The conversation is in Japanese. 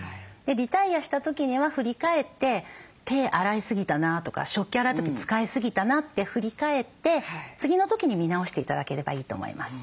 リタイアした時には振り返って「手洗いすぎたな」とか「食器洗う時使いすぎたな」って振り返って次の時に見直して頂ければいいと思います。